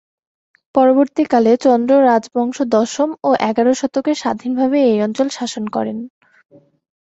পরবর্তীকালে চন্দ্র রাজবংশ দশম ও এগার শতকে স্বাধীনভাবে এই অঞ্চল শাসন করে।